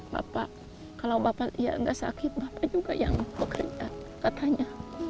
bapak kalau bapak ya nggak sakit bapak juga yang bekerja katanya